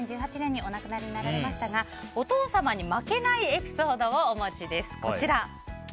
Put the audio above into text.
２０１８年にお亡くなりになられましたがお父様に負けないエピソードをお持ちです。